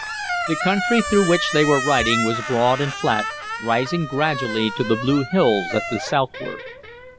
The country through which they were riding was broad and flat, rising gradually to the blue hills at the southward.